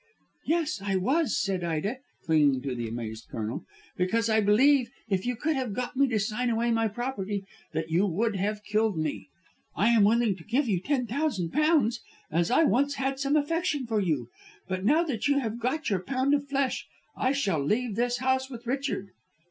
"Yes, I was," said Ida, clinging to the amazed Colonel. "Because I believe if you could have got me to sign away my property that you would have killed me. I am willing to give you ten thousand pounds, as I once had some affection for you; but now that you have got your pound of flesh I shall leave this house with Richard."